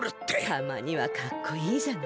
たまにはかっこいいじゃない。